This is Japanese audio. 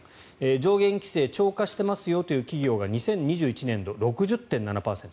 上限規制超過してますよという企業が２０２１年度、６０．７％。